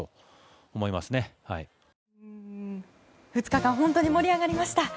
２日間本当に盛り上がりました。